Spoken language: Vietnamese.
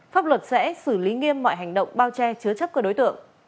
pháp luật sẽ xử lý nghiêm mọi hành động bao che chứa chấp các đối tượng